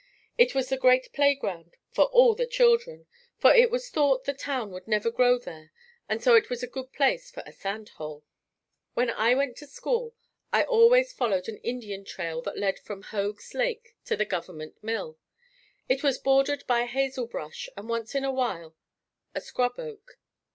It was the great playground for all the children, for it was thought the town would never grow there and so it was a good place for a sand hole. When I went to school I always followed an Indian trail that led from Hoag's Lake to the government mill. It was bordered by hazel brush and once in a while a scrub oak.